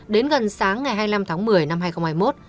đến gần sáng ngày hai mươi năm tháng một mươi năm hai nghìn hai mươi một